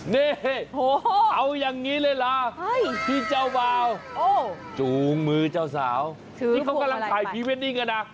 นี่เอาอย่างนี้เลยล่ะที่เจ้าบ่าวจูงมือเจ้าสาวที่เขากำลังถ่ายพรีเวดดิ้งกันนะ